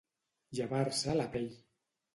Llevar-se la pell.